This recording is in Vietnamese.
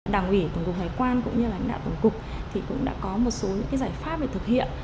đảng ủy tổng cục hải quan cũng như đảng đạo tổng cục cũng đã có một số giải pháp để thực hiện